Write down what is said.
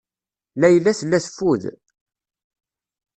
Layla tella teffud.